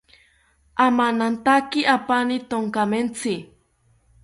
Amanantaki apani tonkamentzi